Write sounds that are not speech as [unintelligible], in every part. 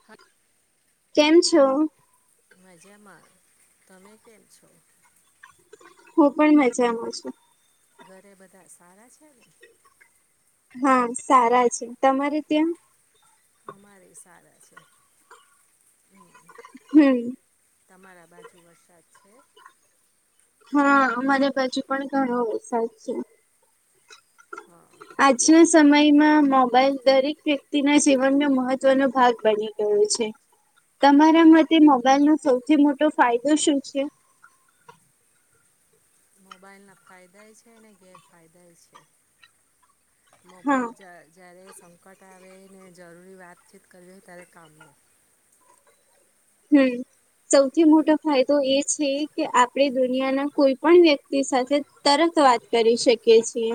[unintelligible] કેમ છો? મજામાં, તમે કેમ છો? હું પણ મજામાં છું. ઘરે બધા સારા છે. હા, સારા છે, તમારે ત્યાં અમારે સારા છે. હમ્મ. તમારા બાજુ વરસાદ છે? હા અમારે બાજુ પણ ઘણો વરસાદ છે. આજના સમયમાં મોબાઈલ દરેક વ્યક્તિના જીવનનો મહત્વનો ભાગ બની ગયો છે. તમારા મતે મોબાઈલનો સૌથી મોટો ફાયદો શું છે? મોબાઈલના ફાયદા છે અને ગેરફાયદાય છે. મોબાાઈલ જ્યારે સંકટ આવેને જરૂરી વાતચીત કરવી હોય ત્યારે કામ ન હમ્મ. સૌથી મોટો ફાયદો એ છે કે આપણે દુનિયાના કોઈ પણ વ્યક્તિ સાથે તરત વાત કરી શકીએ છે.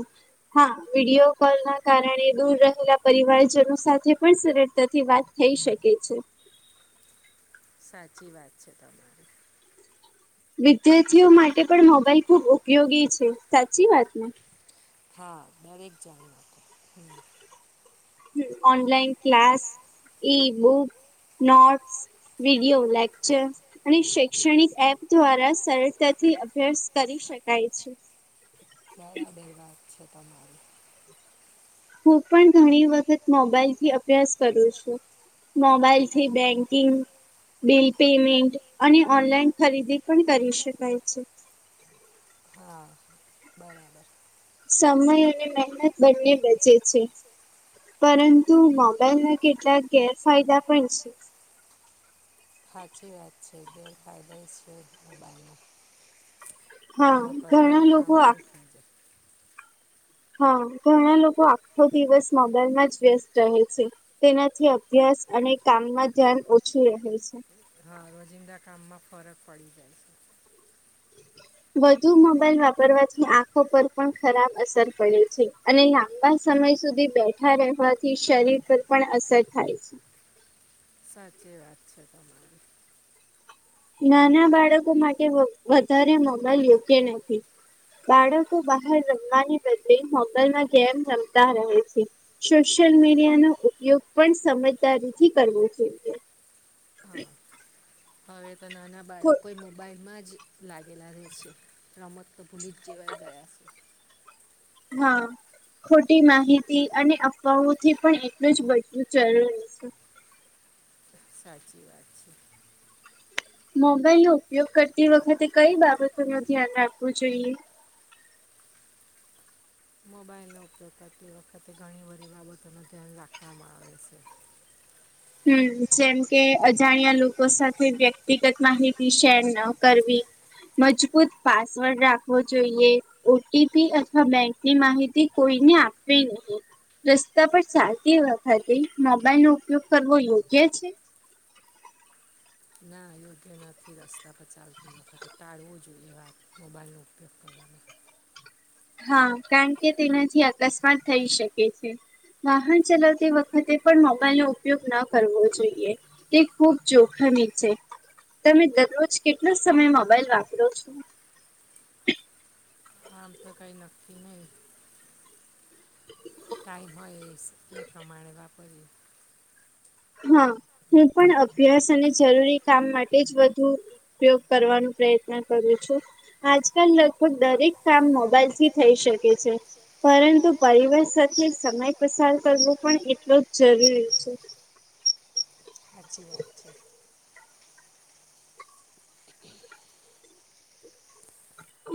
હા વિડીયો કોલના કારણે દૂર રહેલા પરિવારજનો સાથે પણ સરળતાથી વાત થઈ શકે છે. સાચી વાત છે તન વિદ્યાર્થીઓ માટે પણ મોબાઈલ ખુબ ઉપયોગી છે. સાચી વાત ને? હા દરેક જણને. Online class e book notes. Video lecture. અને શૈક્ષણિક એપ દ્વારા સરળતાથી અભ્યાસ કરી શકાય છે. બરાબર વાત છે તમારી. હું પણ ઘણી વખત મોબાઈલથી અભ્યાસ કરું છું. મોબાઈલથી બેંકિંગ બિલ પેમેન્ટ અને ઓનલાઈન ખરીદી પણ કરી શકાય છે. સમય અને મહેનત બંને બચે છે. પરંતુ મોબાઈલના કેટલાક ગેરફાયદા પણ છે. સાચી વાત છે ગેરફાયદા છે મોબાઈલના. હા ઘણા લોકો [inaudible] હા ઘણા લોકો આખો દિવસ મોબાઈલમાં જ વ્યસ્ત રહે છે. તેનાથી અભ્યાસ અને કામમાં ધ્યાન ઓછું રહે છે. હા રોજિંદા કામમાં ફરક પડી જાય. [inaudible] વધુ મોબાઈલ વાપરવાથી આંખો પર પણ ખરાબ અસર પડે છે અને લાંબા સમય સુધી બેઠા રહેવાથી શરીર પર પણ અસર થાય છે. સાચી વાત છે. નાના બાળકો માટે વધારે મોબાઈલ યોગ્ય નથી. બાળકો બહાર રમવાની બદલે મોબાઈલ માં ગેમ રમતા રહે છે. સોશિયલ મીડિયાનો ઉપયોગ પણ સમજદારીથી કરવો જોઈએ. હવે તો નાના બાળકો મોબાઈલમાં જ લાગેલા રહે છે, રમત તો ભૂલી જ જેવાય ગયા છે. હા. ખોટી માહિતી અને અફવાઓથી પણ એટલું જ બધું જરૂરી છે. સાચી વાત છે. મોબાઈલનો ઉપયોગ કરતી વખતે કઈ બાબતોનું ધ્યાન રાખવું જોઈએ? મોબાઈલનો ઉપયોગ કરતી વખતે ઘણી બધી બાબતોનું ધ્યાન રાખવામાં આવે છે. હમ જેમ કે અજાણ્યા લોકો સાથે વ્યક્તિગત માહિતી શેર ન કરવી. મજબૂત પાસવર્ડ રાખવો જોઈએ. ઓટીપી અથવા બેંકની માહિતી કોઈને આપવી નહી. રસ્તા પર ચાલતી વખતે મોબાઈલનો ઉપયોગ કરવો યોગ્ય છે. ના યોગ્ય નથી રસ્તા પર ચાલતી વખતે ટાળવો જોઈએ વાત મોબાઈલનો ઉપયોગ કરવો. હા કારણ કે તેનાથી અકસ્માત થઈ શકે છે. વાહન ચલાવતી વખતે પણ મોબાઈલનો ઉપયોગ ન કરવો જોઈએ. તે ખૂબ જોખમી છે. તમે દરરોજ કેટલો સમય મોબાઈલ વાપરો છો. હા આમ તો કઈ નક્કી નહી. [inaudible] ટાઈમ હોય એ એ પ્રમાણે વાપરીએ. હા હું પણ અભ્યાસ અને જરૂરી કામ માટે જ વધુ. ઉપયોગ કરવાનો પ્રયત્ન કરું છું. આજકાલ લગભગ દરેક કામ મોબાઈલથી થઈ શકે છે. પરંતુ પરિવાર સાથે સમય પસાર કરવો પણ એટલો જ જરૂરી છે. સાચી વાત છે.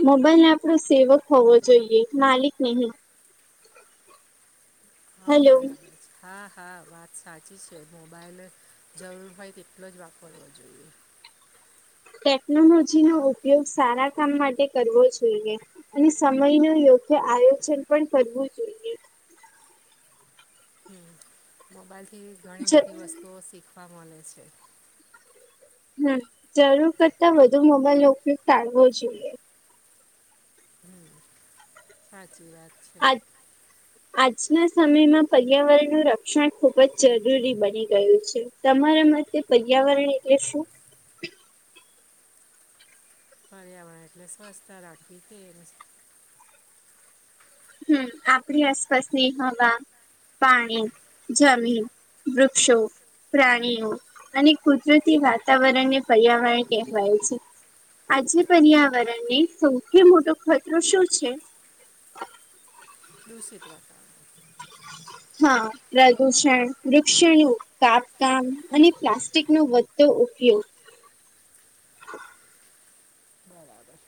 મોબાઈલ ને આપડો સેવક હોવો જોઈએ, માલિક નહિ. હા બરાબર છે‌. હા હા વાત સાચી છે મોબાઈલ જરૂર હોય તેટલો જ વાપરવો જોઈએ. ટેકનોલોજીનો ઉપયોગ સારા કામ માટે કરવો જોઈએ. અને સમયનો યોગ્ય આયોજન પણ કરવું જોઈએ. હમ મોબાઈલથી ઘણી બધી વસ્તુઓ શીખવા મળે છે. હમ જરૂર કરતા વધુ મોબાઈલનો ઉપયોગ ટાળવો જોઈએ. સાચી વાત છે. [inaudible] આજના સમયમાં પર્યાવરણનું રક્ષણ ખુબ જ જરૂરી બની ગયું છે. તમારા માટે પર્યાવરણ એટલે શું? પર્યાવરણ એટલે સ્વસ્થા રાખવી તે હમ, આપડી આસપાસની હવા- પાણી, જમીન, વૃક્ષો પ્રાણીઓ અને કુદરતી વાતાવરણને પર્યાવરણ કહેવાય છે. આજે પર્યાવરણની સૌથી મોટો ખતરો શું છે? [inaudible] દૂષિત વાતા હા. પ્રદુષણ, વૃક્ષનું કાપ-કામ અને પ્લાસ્ટિકનો વધતો ઉપયોગ. બરાબર.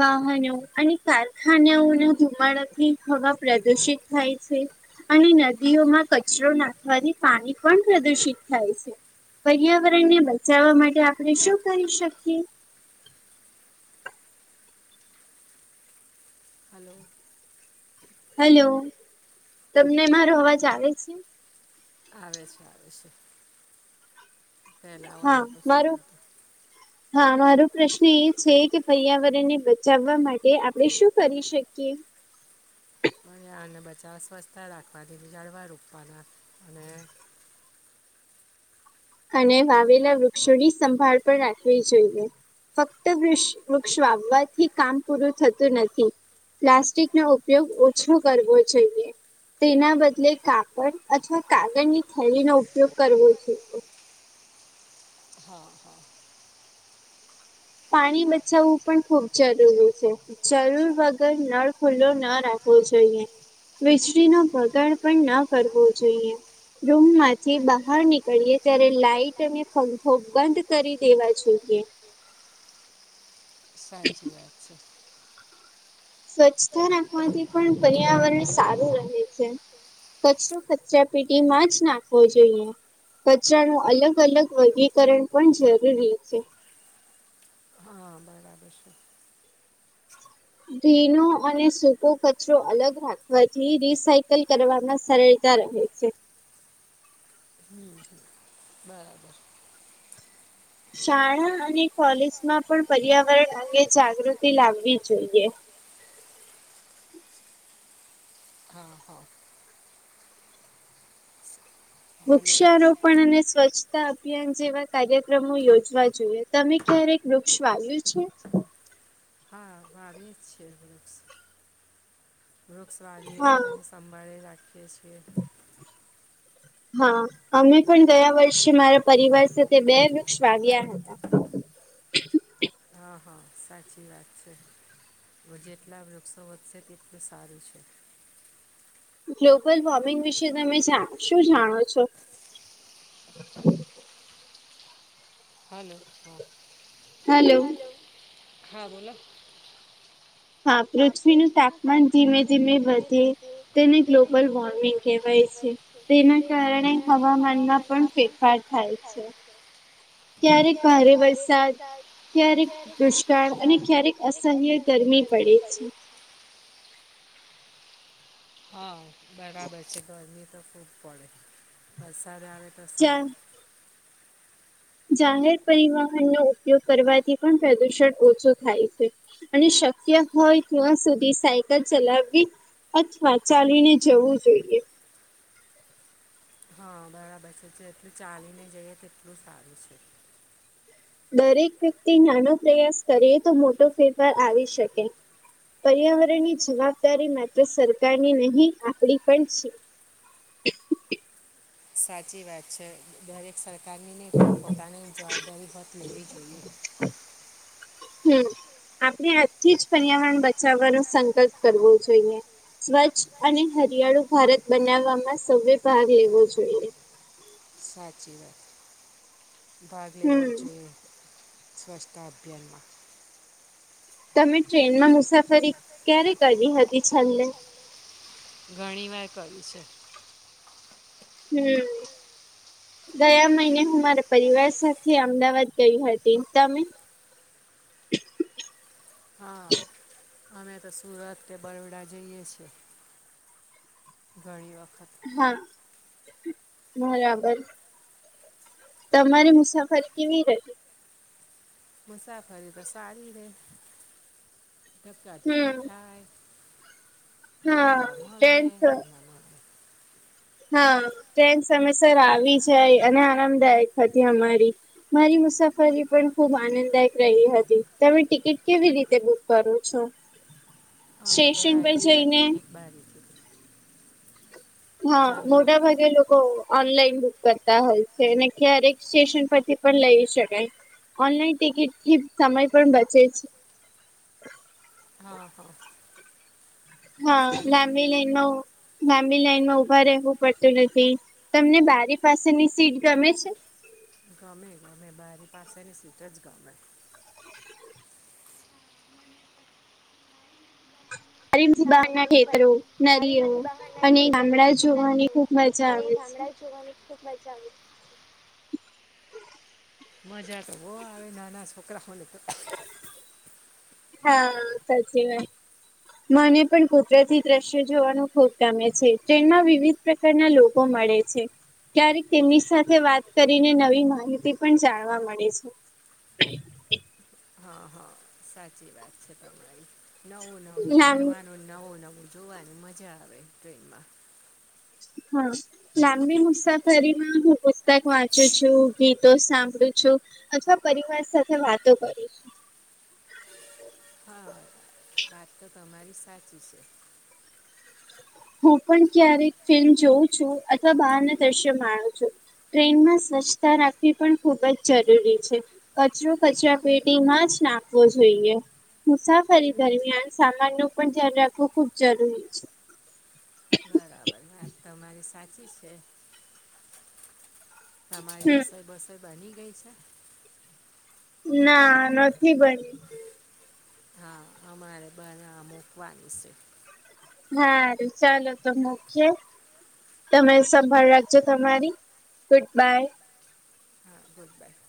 વાહનો અને કારખાનાઓના ધુમાડાથી હવા પ્રદુષિત થાય છે. અને નદીઓમાં કચરો નાખવાથી પાણી પણ પ્રદુષિત થાય છે. પર્યાવરણને બચાવવા માટે આપણે શું કરી શકીએ? હલો. હેલો, તમને મારો અવાજ આવે છે? આવે છે. આવે છે. હા, મારું હા મારો પ્રશ્ન એ છે કે પર્યાવરણને બચાવવા માટે આપણેે શું કરી શકીએ? પર્યાવરણને બચાવા સ્વસ્થા રાખવાની, ઝાડવા રોપવાના અને અને વાવેલા વૃક્ષોની સંભાળ પણ રાખવી જોઈએ. ફક્ત વૃક્ષ વૃક્ષ વાવવાથી કામ પૂરું થતું નથી પ્લાસ્ટિકનો ઉપયોગ ઓછો કરવો જોઈએ. તેના બદલે કાગડ અથવા કાગળની થેલીનો ઉપયોગ કરવો જોઈએ. હા હા. પાણી બચાવવું પણ ખૂબ જરૂરી છે. જરૂર વગર નળ ખુલ્લો ના રાખવો જોઈએ. વીજળીનો બગાડ પણ ના કરવો જોઈએ. રૂમમાંથી બહાર નીકળીએ ત્યારે લાઇટ અને પંખો બંધ કરી દેવા જોઈએ. સાચી વાત છે. સ્વચ્છતા રાખવાથી પણ પર્યાવરણ સારું રહે છે. કચરો કચરાપેટીમાં જ નાખવો જોઈએ. કચરાનું અલગ-અલગ વર્ગીકરણ પણ જરૂરી છે. હા બરાબર છે. ભીનો અને સૂકો કચરો અલગ રાખવાથી રિસાયકલ કરવામાં સરળ તા રહે છે. હમ્મ. બરાબર. શાળા અને કોલેજમાં પણ પર્યાવરણ અંગે જાગૃતિ લાવવી જોઈએ. હા હા. વૃક્ષારોપણ અને સ્વચ્છતા અભિયાન જેવા કાર્યક્રમો યોજવા જોઈએ. તમે ક્યારેક વૃક્ષ વાય્યું છે? વાવ્યું છે વૃક્ષ વૃક્ષ વાવીએ છીએ તેની સંંભાળે રાખીએ છીએ. હા, અમે પણ ગયા વર્ષે મારા પરિવાર સાથે બે વૃક્ષ વાવ્યા હતા. હા હા સાચી વાત છે. હ જેટલા વૃક્ષો વધશે તેટલું સારું છે. ગ્લોબલ વોર્મિંગ વિશે તમે શું જાણો છો હાલો હાલો હા બોલો. હા પૃથ્વીનું તાપમાન ધીમે ધીમે વધે તેને ગ્લોબલ વોર્મિંગ કહેવાય છે તેના કારણે હવામાનમાં પણ ફેરફાર થાય છે. ક્યારેક ભારે વરસાદ ક્યારેક દુષ્કાળ અને ક્યારેક અસહ્ય ગરમી પડે છે. હા બરાબર છે તો એની તો ખૂબ પડે વરસાદ આવે તો સારું જાહેર પરિવહન નો ઉપયોગ કરવાથી પણ પ્રદૂષણ ઓછું થાય છે. અને શક્ય હોય ત્યાં સુધી સાયકલ ચલાવવી, અથવા ચાલીને જવું જોઈએ હા બરાબર છે જે એટલું ચાલીને જઈએ તો એટલું સારું છે. દરેક વ્યક્તિ નાનો પ્રયાસ કરીએ તો મોટો ફેરફાર આવી શકે પર્યાવરણની જવાબદારી સરકારની નહીં આપડી પણ છે [inaudible] સાચી વાત છે દરેક સાચી કાગીને પોતાની જવાબદારી મત લેવી જોઈએ. હમ. આપણે આજથી પર્યાવરણ બચાવવાનો સંકલ્પ કરવો જોઈએ. સ્વચ્છ અને હરિયાળુ ભારત બનાવવામાં સૌએ ભાગ લેવો જોઈએ. સાચી વાત ભાગ લેવો જ જોઈએ. સ્વછતા અભિયાનમાં. તમે ટ્રેનમાં મુસાફરી ક્યારે કરી હતી છેલ્લે? ઘણી વાર કરી છે. હમ. ગયા મહિને હું મારા પરિવાર સાથે અમદાવાદ ગઈ હતી તમે. હા અમે તો સુરત કે બરોડા જઈએ છે. ધણી વખત હા, બરાબર. તમારી મુસાફરી કેવી રહી? મુસાફરી તો સારી રે. ધકા ધકી થાય જગ્યા મલે. હા ટ્રેન સમયસર આવી જાય અને આરામદાયક હતી અમારી મારી મુસાફરી પણ ખુબ આનંદદાયક રહી હતી તમે ટિકિટ રીતે બુક કરો છો સ્ટેશન પર જઈને બારીથી. હા મોટા ભાગે લોકો ઓનલાઈન બુક કરતા હોય છે અને ક્યારેક સ્ટેશન પરથી પણ લઈ શકાય. ઓનલાઈન ટિકિટથી સમય પણ બચે છે. હા હા. હા લાંબી લાઈનમાં લાંબી લાઈનમાં ઉભા રહેવું પડતું નથી તમને બારી પાસેની સીટ ગમે છે. ગમે ગમે બારી પાસેની સીટ જ ગમે. હા મને પણ બારીમાંથી બહારના ખેતરો, નદીઓ અને ગામડા જોવાની ખૂબ મજા આવે. મજા તો બોવ આવે નાના છોકરાઓને તો હા, સાચી વાત. મને પણ કુદરતી દ્રશ્ય જોવાનું ખુબ ગમે છે, ટ્રેનમાં વિવિધ પ્રકારના લોકો મળે છે. ક્યારેક તેમની સાથે વાત કરીને નવી માહિતી પણ જાણવા મળે છે. હા હા સાચી વાત છે તમારી નવું નવું જાણવા નું નવું નવું જોવાની મજા આવે ટ્રેનમાં હા. લાંબી મુસાફરીમાં હું પુસ્તક વાંચું છું ગીતો સાંભળું છું. અથવા પરિવાર સાથે વાતો કરું છું. હા. વાત તો તમારી સાચી છે. હું પણ ક્યારેક ફિલ્મ જોઉં છું અથવા બહારના દ્રશ્ય માણ છું. ટ્રેનમાં સ્વચ્છતા રાખવી પણ ખૂબ જ જરૂરી છે. કચરો કચરા પેટીમાં જ નાખવો જોઈએ. મુસાફરી દરમિયાન સામાનનું પણ ધ્યાન રાખવું ખુબ જરૂરી છે. બરાબર વાત તમારી સાચી છે. તમારી રસોઈ બસોઈ બની ગઈ છે. ના નથી બની. હા અમારે બનાવા મૂકવાનું છે. હાર ચાલો તો મુકીએ તમે સંભાળ રાખજો તમારી ગુડ બાય હા ગુડ બાય